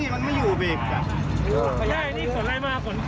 มันไม่เบกยัง